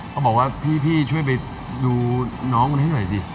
เขาบอกว่าพี่ช่วยไปดูน้องมันให้หน่อยสิ